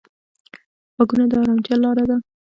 غوږونه د ارامتیا لاره ده